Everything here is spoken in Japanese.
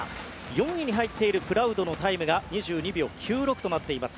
４位に入っているプラウドのタイムが２２秒９６となっています。